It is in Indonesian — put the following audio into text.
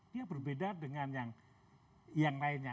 dia berbeda dengan yang lainnya